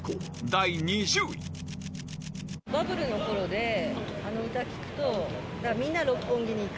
バブルのころで、あの歌聴くと、みんな六本木に行く。